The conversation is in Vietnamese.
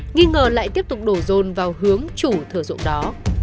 nghi ngờ lại tiếp tục đổ rôn vào hướng chủ thờ ruộng đó